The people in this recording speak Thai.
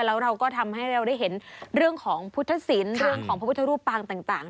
แล้วเราก็ทำให้เราได้เห็นเรื่องของพุทธศิลป์เรื่องของพระพุทธรูปปางต่าง